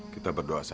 kita berdoa saja